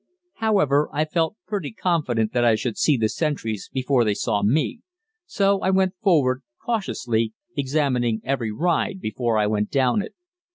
However, I felt pretty confident that I should see the sentries before they saw me, so I went forward cautiously, examining every ride before I went down it.